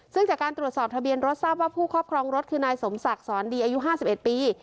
ซึ่งจากการตรวจสอบทะเบียนรถทราบว่าผู้ครอบครองรถคือนายสมศักดิ์สอนดีอายุ๕๑ปี